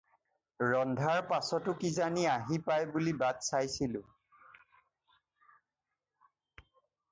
ৰন্ধাৰ পাচতো কিজানি আহি পায় বুলি বাট চাইছিলোঁ।